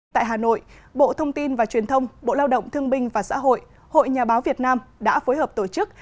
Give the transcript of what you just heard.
tại hà nội bộ thông tin và truyền thông bộ lao động thương binh và xã hội hội nhà báo việt nam đã phối hợp tổ chức